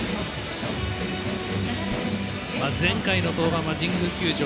前回の登板は神宮球場。